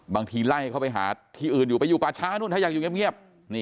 บางทีไล่เข้าไปหาที่อื่นอยู่ไปอยู่ป่าช้านู่นถ้าอยากอยู่เงียบ